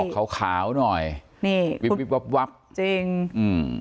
ขาวขาวหน่อยนี่วิบวิบวับวับจริงอืม